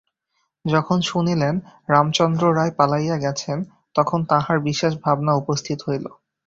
যখন শুনিলেন, রামচন্দ্র রায় পালাইয়া গেছেন, তখন তাঁহার বিশেষ ভাবনা উপস্থিত হইল।